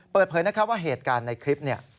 เปิดเผยว่าเหตุการณ์ในคลิป